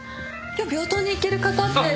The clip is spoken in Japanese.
今日病棟に行ける方って。